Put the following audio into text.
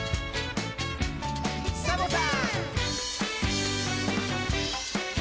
サボさん！